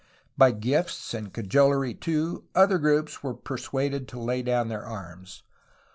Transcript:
By gifts and cajolery, too, other groups were per suaded to lay down their arms.